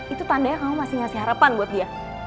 itu tandanya kamu masih ngasih harapan buat dia